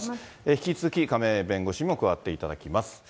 引き続き、亀井弁護士にも加わっていただきます。